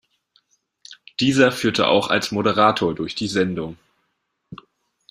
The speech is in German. Dieser führte auch als Moderator durch die Sendung.